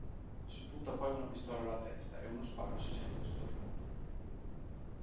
Si punta poi una pistola alla testa e uno sparo si sente in sottofondo.